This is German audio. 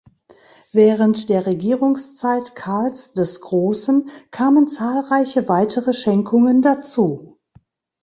Während der Regierungszeit Karls des Großen kamen zahlreiche weitere Schenkungen dazu.